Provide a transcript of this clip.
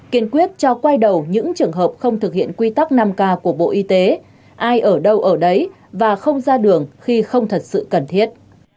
kiên quyết cho quay đầu những trường hợp không thực hiện quy tắc năm k của bộ y tế ai ở đâu ở đấy và không ra đường khi không thật sự cần thiết